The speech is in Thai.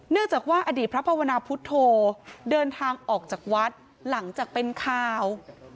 จากว่าอดีตพระภาวนาพุทธโธเดินทางออกจากวัดหลังจากเป็นข่าว